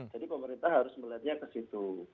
pemerintah harus melihatnya ke situ